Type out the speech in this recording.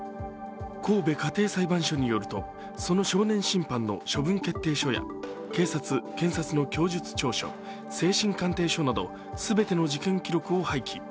神戸家庭裁判所によると、その少年審判の処分決定書や警察・検察の供述調書精神鑑定書など全ての事件記録を廃棄。